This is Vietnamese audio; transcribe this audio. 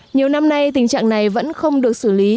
nhiều năm nay tình trạng này vẫn không được xử lý